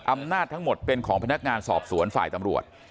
อำนาจทั้งหมดเป็นของพนักงานสอบสวนฝ่ายตำรวจ